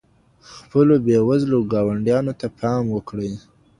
خپلو بې وزلو ګاونډیانو ته پام وکړئ.